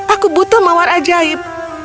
aku butuh mawar ajaib